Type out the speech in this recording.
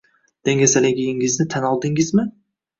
Dangasaligingizni tan oldingizmi